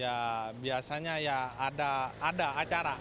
ya biasanya ya ada acara